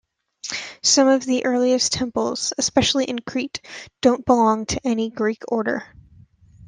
Some of the earliest temples, especially in Crete, don't belong to any Greek order.